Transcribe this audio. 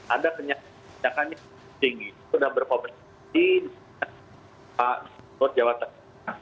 ada penyakit yang tinggi sudah berkomunikasi di jawa tengah